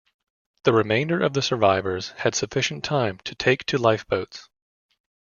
The remainder of the survivors had sufficient time to take to lifeboats.